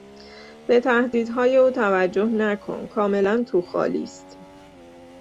به تهدیدهای او توجه نکن; کاملا تو خالی است.